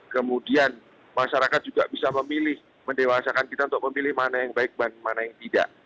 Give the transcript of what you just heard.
kemudian masyarakat juga bisa memilih mendewasakan kita untuk memilih mana yang baik dan mana yang tidak